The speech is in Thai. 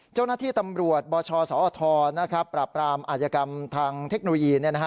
เจ้าหน้าที่ตำรวจบชสอทปราบรามอาจยกรรมทางเทคโนโลยี